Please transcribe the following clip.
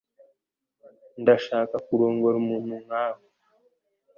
Ndashaka kurongora umuntu nkawe